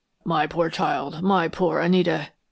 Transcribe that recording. "My poor child, my poor Anita!"